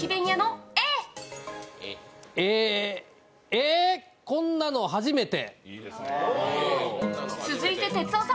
え、こんなの初めて！